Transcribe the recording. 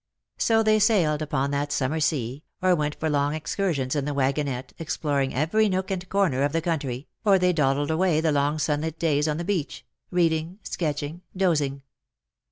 So they sailed upon that summer sea, or went for long excur sions in the wagonette, exploring every nook and corner of the country, or they dawdled away the long sunlit days on the beach, reading, sketching, dozing.